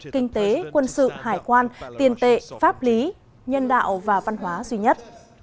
kinh tế quân sự hải quan tiền tệ pháp lý nhân đạo và văn hóa duy nhất